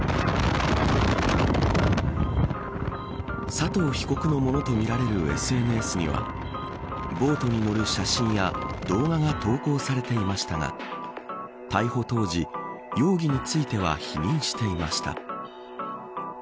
佐藤被告のものとみられるＳＮＳにはボートに乗る写真や動画が投稿されていましたが逮捕当時、容疑については否認していました。